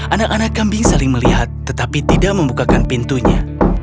anak anak kambing saling melihat tetapi tidak membukakan pintunya